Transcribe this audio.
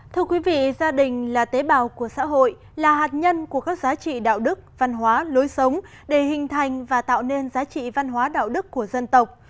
thưa quý vị gia đình là tế bào của xã hội là hạt nhân của các giá trị đạo đức văn hóa lối sống để hình thành và tạo nên giá trị văn hóa đạo đức của dân tộc